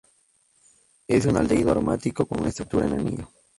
Es un aldehído aromático, con una estructura en anillo.